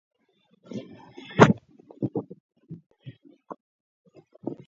ბოლშევიკური გადატრიალების შემდეგ საქართველოში დაბრუნდა.